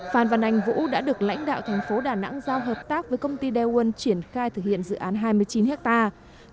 phan văn anh vũ đã được lãnh đạo thành phố đà nẵng giao hợp tác với công ty daewon triển khai thực hiện dự án hai mươi chín hectare